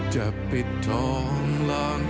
จะปิดท้องหลังองค์